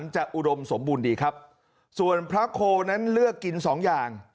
อุดมสมบูรณ์ดีครับส่วนพระโคนั้นเลือกกินสองอย่าง